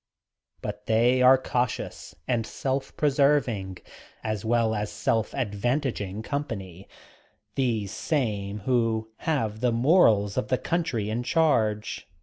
But they are cautious and self preserving as well as self advantaging company, these same who have the morals of the country in charge.